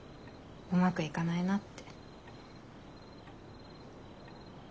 うまくいかないなって。